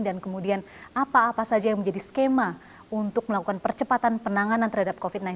dan kemudian apa apa saja yang menjadi skema untuk melakukan percepatan penanganan terhadap covid sembilan belas